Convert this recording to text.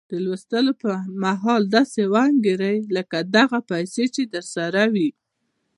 د لوستو پر مهال داسې وانګيرئ لکه دغه پيسې چې درسره وي.